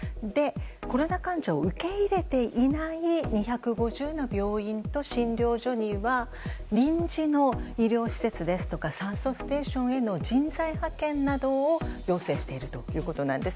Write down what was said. コロナ患者を受け入れていない２５０の病院と診療所には臨時の医療施設ですとか酸素ステーションへの人材派遣などを要請しているということです。